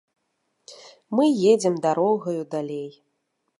Мы едзем дарогаю далей.